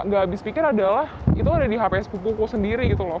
gak habis pikir adalah itu ada di hps pupuku sendiri gitu loh